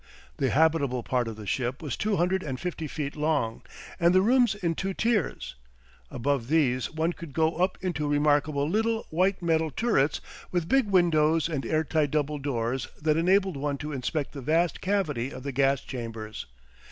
The habitable part of the ship was two hundred and fifty feet long, and the rooms in two tiers; above these one could go up into remarkable little white metal turrets with big windows and airtight double doors that enabled one to inspect the vast cavity of the gas chambers.